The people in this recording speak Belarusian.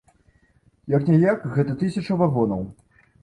Як-ніяк, гэта тысяча вагонаў.